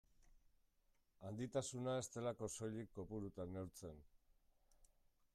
Handitasuna ez delako soilik kopurutan neurtzen.